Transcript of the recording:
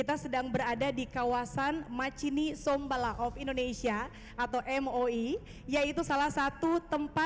terima kasih dugul maga